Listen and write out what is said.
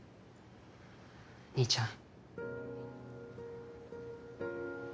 兄ちゃん